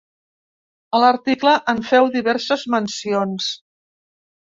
A l’article en feu diverses mencions.